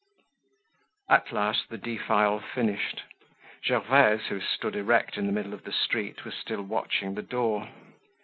At last the defile finished. Gervaise, who stood erect in the middle of the street, was still watching the door.